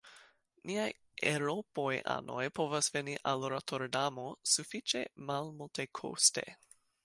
Niaj eŭropaj anoj povas veni al Roterdamo sufiĉe malmultekoste.